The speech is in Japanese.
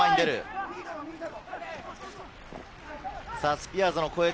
スピアーズの攻撃。